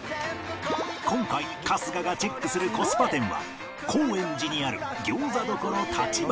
今回春日がチェックするコスパ店は高円寺にある餃子処たちばな。